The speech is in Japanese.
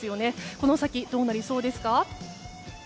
この先、どうなりそうですか。